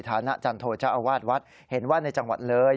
ฐานะจันโทเจ้าอาวาสวัดเห็นว่าในจังหวัดเลย